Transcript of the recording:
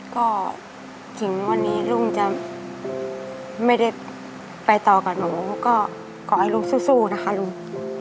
ก็ถึงวันนี้ลุงจะไม่ได้ไปต่อกับหนูก็ขอให้ลูกสู้นะคะลุง